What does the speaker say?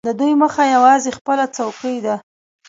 د دوی موخه یوازې خپله څوکۍ ده.